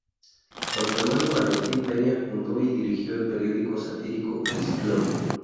Con su hermano Valentín Peña fundó y dirigió el periódico satírico "El Ciclón.